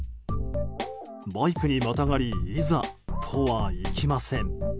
バイクにまたがりいざとはいきません。